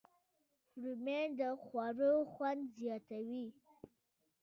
رومیان د خوړو خوند زیاتوي